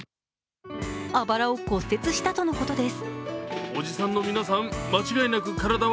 あばらを骨折したとのことです。